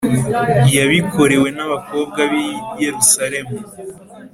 Yabikorewe n’abakobwa b’i Yerusalemu.